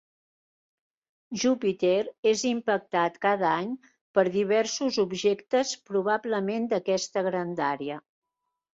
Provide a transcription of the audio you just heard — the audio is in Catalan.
Júpiter és impactat cada any, per diversos objectes probablement d'aquesta grandària.